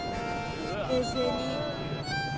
冷静に。